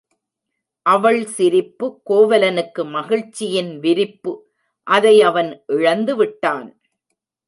அவள் சிரிப்பு கோவலனுக்கு மகிழ்ச்சியின் விரிப்பு அதை அவன் இழந்துவிட்டான்.